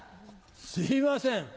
すいません